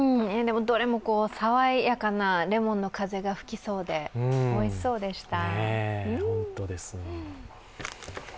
どれも爽やかなレモンの風が吹きそうでおいしそうでした。